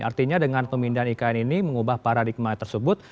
artinya dengan pemindahan ikn ini mengubah paradigma tersebut